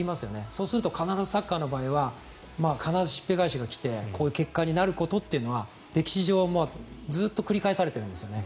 そうすると必ずサッカーの場合は必ずしっぺ返しが来てこういう結果になることっていうのは歴史上、ずっと繰り返されてるんですよね。